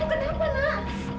kamu kenapa nak